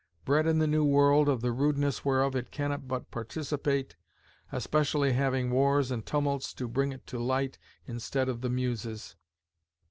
bred in the New World, of the rudeness whereof it cannot but participate; especially having Warres and Tumults to bring it to light in stead of the Muses....